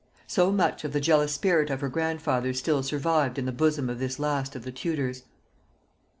So much of the jealous spirit of her grandfather still survived in the bosom of this last of the Tudors!